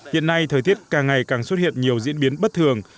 hiện nay thời tiết càng ngày càng xuất hiện nhiều diễn biến bất thường